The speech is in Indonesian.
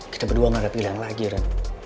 kita berdua gak ada pilihan lagi kan